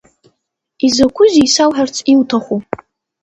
Изакәызеи исауҳәарц иуҭаху?